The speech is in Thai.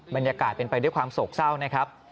บรรยากาศเป็นไปด้วยความโศกเศร้านะครับ